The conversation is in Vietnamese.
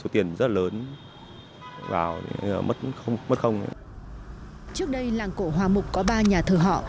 trước đây làng cổ hòa mục có ba nhà thờ họ